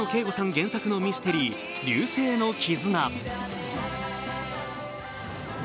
原作のミステリー「流星の絆」。